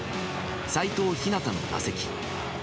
齋藤陽の打席。